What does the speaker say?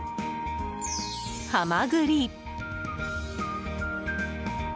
ハマグリ。